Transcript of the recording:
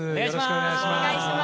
お願いします。